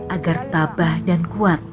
agar tabah dan kuat